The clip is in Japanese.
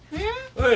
はい。